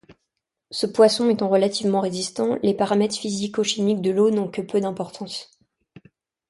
Ce poisson étant relativement résistant, les paramètres physicochimiques de l'eau n'ont que peu d'importance.